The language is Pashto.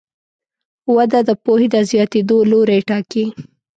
وده د پوهې د زیاتېدو لوری ټاکي.